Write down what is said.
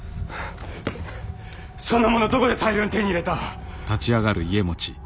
そんなものをどこで大量に手に入れた？